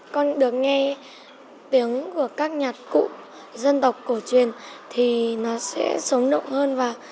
con được nghe tiếng của các nhạc cụ dân tộc cổ truyền thì nó sẽ sống động hơn